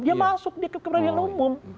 dia masuk ke peradilan umum